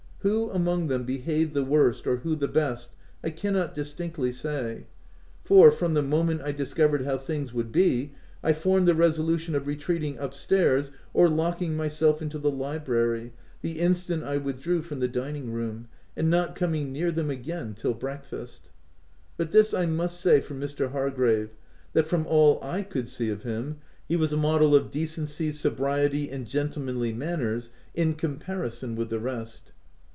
Who among them behaved the worst, or who the best, I can not distinctly say ; for, from the moment I dis covered how things would be, I formed the resolution of retreating upstairs or locking my self into the library the instant I withdrew from the dining room, and not coming near them again till breakfast ;— but this I must say for Mr. Hargrave, that from all I could see of him, he was a model of decency, sobriety, and gentlemanly manners in comparison with the rest.